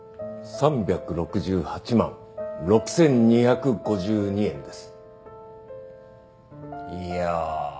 ３６７万６２５２円です。